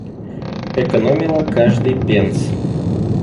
Экономила каждый пенс.